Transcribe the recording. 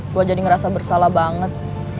gue jadi ngerasa bersalah banget